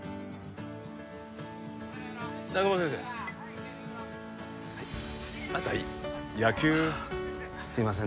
南雲先生はいあんた野球すいません